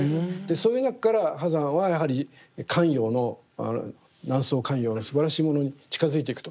そういう中から波山はやはり官窯の南宋官窯のすばらしいものに近づいていくと。